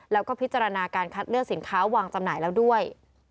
แล้วก็พิจารณาการคัดเลือกสินค้าวางจำหน่ายแล้วด้วย